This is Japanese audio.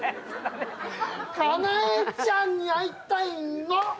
かなえちゃんに会いたいの！